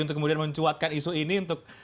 untuk kemudian mencuatkan isu ini untuk